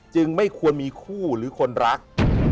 ไม่ควรมีคู่หรือคนรัก